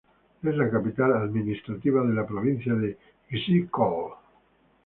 Es la capital administrativa de la provincia de Ysyk-Kol.